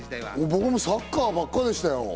僕もサッカーばっかでしたよ。